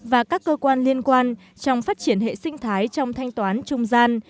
và các cơ quan liên quan trong phát triển hệ sinh thái trong thanh toán trung gian